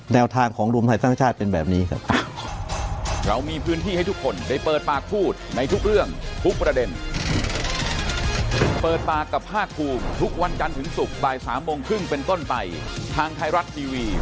แนวทางของรวมไทยสร้างชาติเป็นแบบนี้ครับ